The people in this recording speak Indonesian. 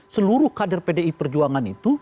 seluruh kader pdi perjuangan itu